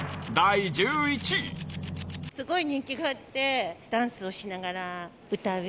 すごい人気があって、ダンスをしながら歌う。